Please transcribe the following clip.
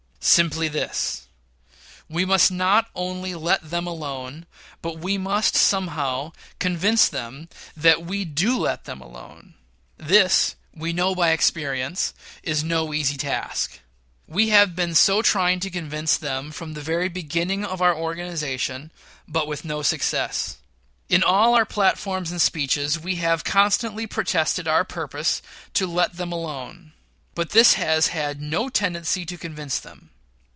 Simply this: We must not only let them alone, but we must, somehow, convince them that we do let them alone. This, we know by experience, is no easy task. We have been so trying to convince them from the very beginning of our organization, but with no success. In all our platforms and speeches we have constantly protested our purpose to let them alone; but this has had no tendency to convince them.